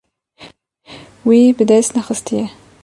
Wî bi dest nexistiye.